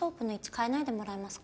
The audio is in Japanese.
かえないでもらえますか？